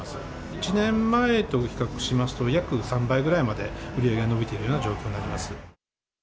１年前と比較しますと、約３倍くらいまで売り上げは伸びているような状況になります。